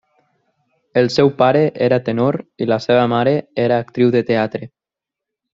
El seu pare era tenor i la seva mare era actriu de teatre.